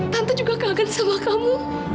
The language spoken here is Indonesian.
tante juga kangen sama kamu